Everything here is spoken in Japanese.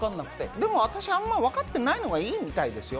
でも私あんまりわかってないのがいいみたいですよ。